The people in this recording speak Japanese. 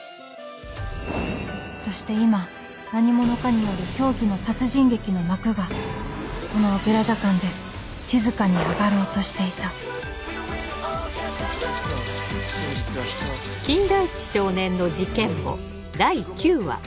そして今何者かによる狂気の殺人劇の幕がこのオペラ座館で静かに上がろうとしていた「黒沢和馬ついと」ん？